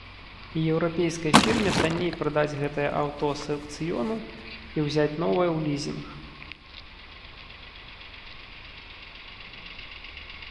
І еўрапейскай фірме танней прадаць гэтае аўто з аўкцыёну і ўзяць новае ў лізінг.